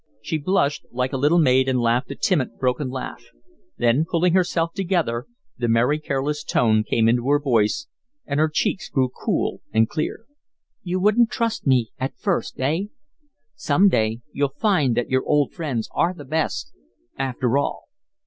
She blushed like a little maid and laughed a timid, broken laugh; then pulling herself together, the merry, careless tone came into her voice and her cheeks grew cool and clear. "You wouldn't trust me at first, eh? Some day you'll find that your old friends are the best, after all."